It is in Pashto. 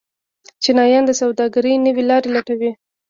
چینایان د سوداګرۍ نوې لارې لټوي.